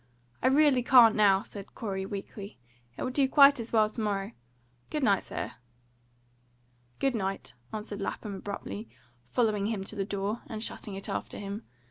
"I really can't now," said Corey weakly. "It will do quite as well to morrow. Good night, sir." "Good night," answered Lapham abruptly, following him to the door, and shutting it after him.